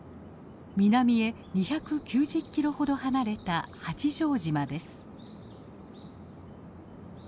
南へ２９０キロほど離れた八丈島です。